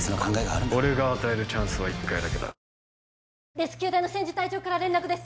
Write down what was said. レスキュー隊の千住隊長から連絡です